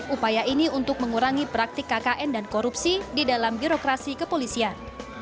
upaya ini untuk mengurangi praktik kkn dan korupsi di dalam birokrasi kepolisian